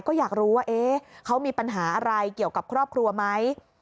ก็อยากรู้ว่าเขามีปัญหาอะไรเกี่ยวกับครอบครัวไหม